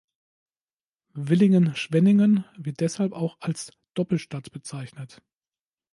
Villingen-Schwenningen wird deshalb auch als „Doppelstadt“ bezeichnet.